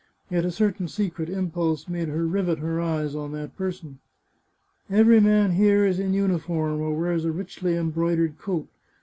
Yet a certain secret impulse made her rivet her eyes on that person. " Every man here is in uniform, or wears a richly em broidered coat.